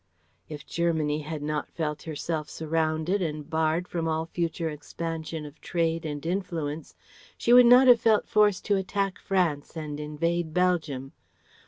If Germany had not felt herself surrounded and barred from all future expansion of trade and influence she would not have felt forced to attack France and invade Belgium.